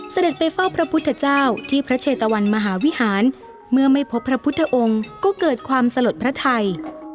เสด็จไปเฝ้าพระพุทธเจ้าที่พระเชตะวันมหาวิหารเมื่อไม่พบพระพุทธองค์ก็เกิดความสลดพระไทย